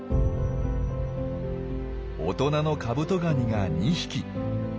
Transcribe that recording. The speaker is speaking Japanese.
大人のカブトガニが２匹。